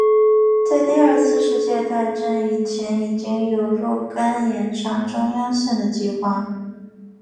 在第二次世界大战以前已经有若干延长中央线的计划。